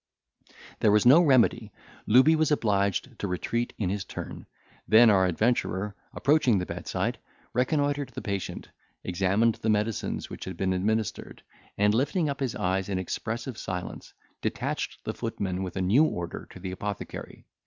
There was no remedy. Looby was obliged to retreat in his turn; then our adventurer, approaching the bedside, reconnoitred the patient, examined the medicines which had been administered, and lifting up his eyes in expressive silence, detached the footman with a new order to the apothecary.